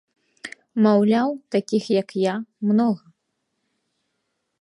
Маўляў, такіх, як я, многа.